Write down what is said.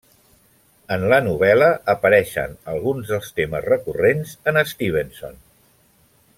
En la novel·la apareixen alguns dels temes recurrents en Stevenson.